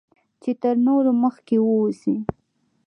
چې تر نورو مخکې واوسی